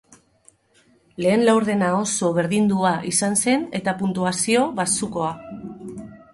Lehen laurdena oso berdindua izan zen eta puntuazio baxukoa.